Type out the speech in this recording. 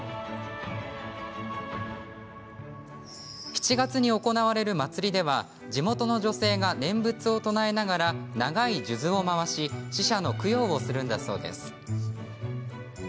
７月に行われる祭りでは地元の女性が念仏を唱えながら長い数珠を回し死者の供養をするんだそうです。